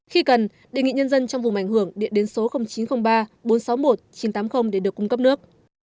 khi cần đề nghị nhân dân trong vùng ảnh hưởng điện đến số chín trăm linh ba bốn trăm sáu mươi một chín trăm tám mươi để được cung cấp nước